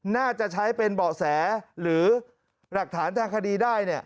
น่าจะใช้เป็นเบาะแสหรือหลักฐานทางคดีได้